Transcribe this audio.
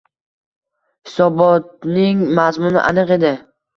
Hisobotning mazmuni aniq edi.